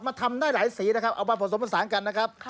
ทำได้หลายสีนะครับเอามาผสมผสานกันนะครับ